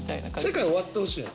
世界終わってほしいの？